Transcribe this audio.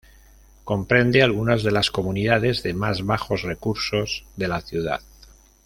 Comprende algunas de las comunidades de más bajos recursos de la ciudad.